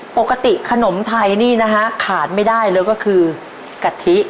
ปกติขนมไทยนี่นะฮะขาดไม่ได้เลยก็คือกะทิ